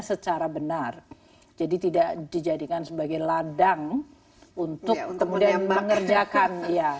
secara benar jadi tidak dijadikan sebagai ladang untuk kemudian mengerjakan